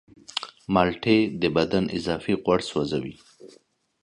مالټې د بدن اضافي غوړ سوځوي.